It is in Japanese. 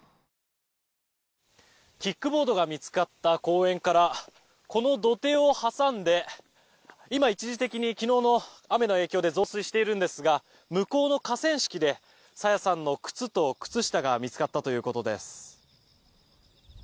キックボードが見つかった公園からこの土手を挟んで今、一時的に昨日の雨の影響で増水しているんですが向こうの河川敷で朝芽さんの靴と靴下が見つかったということです。